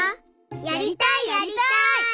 やりたいやりたい！